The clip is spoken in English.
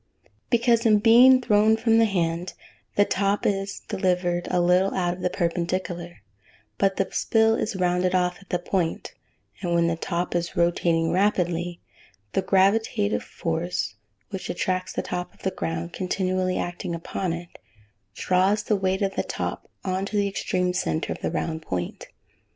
"] Because, in being thrown from the hand, the top is delivered a little out of the perpendicular, but the spill is rounded off at the point, and when the top is rotating rapidly, the gravitative force which attracts the top to the ground continually acting upon it, draws the weight of the top on to the extreme centre of the round point.